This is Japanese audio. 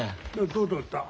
どうだった？